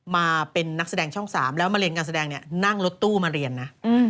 มาเป็นนักแสดงช่อง๓แล้วมาเรียนการแสดงเนี่ยนั่งรถตู้มาเรียนนะ